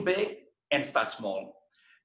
berpikir besar dan mulai kecil